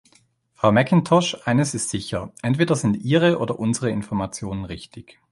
Frau McIntosh, eines ist sicher, entweder sind Ihre oder unsere Informationen richtig.